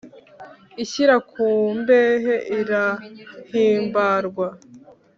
ishyira ku mbehe irahimbarwa